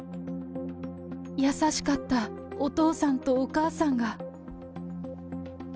優しかったお父さんとお母さんが。